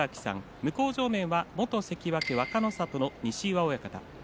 向正面は元関脇若の里の西岩親方。